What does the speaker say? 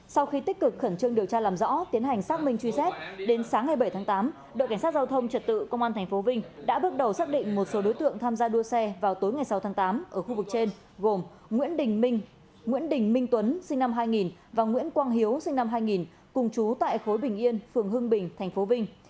sau khi tích cực khẩn trương điều tra làm rõ tiến hành xác minh truy xét đến sáng ngày bảy tháng tám đội cảnh sát giao thông trật tự công an tp vinh đã bước đầu xác định một số đối tượng tham gia đua xe vào tối ngày sáu tháng tám ở khu vực trên gồm nguyễn đình minh nguyễn đình minh tuấn sinh năm hai nghìn và nguyễn quang hiếu sinh năm hai nghìn cùng chú tại khối bình yên phường hưng bình tp vinh